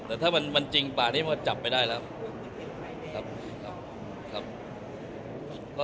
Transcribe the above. แต่ถ้ามันจริงป่านี้มันจับไปได้แล้วครับ